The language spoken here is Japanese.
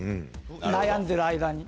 悩んでる間に。